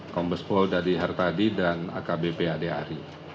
kombes polda di hertadi dan akbp adri